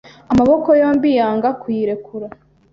amaboko yombiyanga kuyirekura